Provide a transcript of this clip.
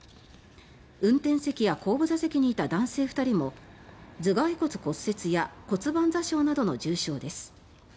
運転席や後部座席にいた男性２人も頭がい骨骨折や骨盤挫傷などの重傷です。